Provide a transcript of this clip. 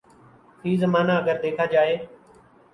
فی زمانہ اگر دیکھا جائے